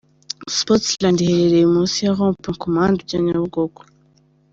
Sportsland iherereye mu nsi ya Rond point ku muhanda ujya Nyabugogo.